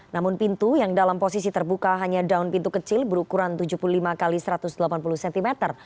namun pintu yang dalam posisi terbuka hanya daun pintu kecil berukuran tujuh puluh lima x satu ratus delapan puluh cm